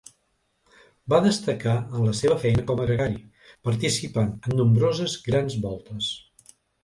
Va destacar en la seva feina com a gregari, participant en nombroses Grans Voltes.